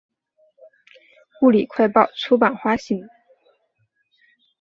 物理快报出版发行。